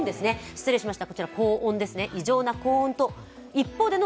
失礼しました。